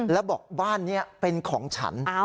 แล้วบอกบ้านนี้เป็นของฉัน